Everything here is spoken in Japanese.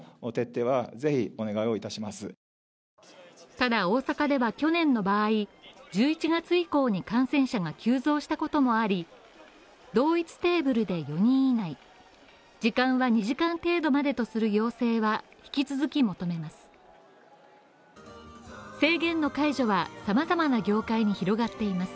ただ大阪では去年の場合１１月以降に感染者が急増したこともあり、同一テーブルで４人以内時間は２時間程度までとする要請は引き続き求めます。